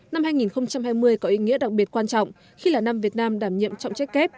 năm hai nghìn hai mươi có ý nghĩa đặc biệt quan trọng khi là năm việt nam đảm nhiệm trọng trách kép